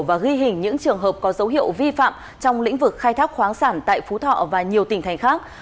và ghi hình những trường hợp có dấu hiệu vi phạm trong lĩnh vực khai thác khoáng sản tại phú thọ và nhiều tỉnh thành khác